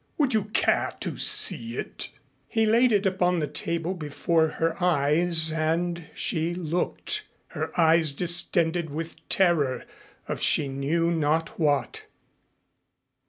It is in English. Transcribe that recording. Would you care to see it?" He laid it upon the table before her eyes and she looked, her eyes distended with terror of she knew now what.